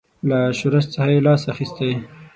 له شورش څخه یې لاس اخیستی.